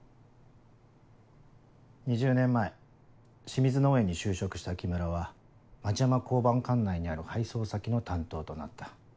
２０年前清水農園に就職した木村は町山交番管内にある配送先の担当となった。